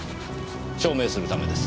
証明するためです。